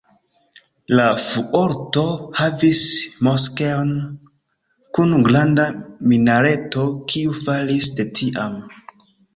La Fuorto havis moskeon kun granda minareto kiu falis de tiam.